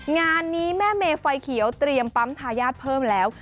งานนี้แม่เมย์ไฟเขียวเตรียมปั๊มทายาทเพิ่มแล้ว